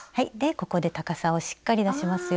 ここで高さをしっかり出しますよ。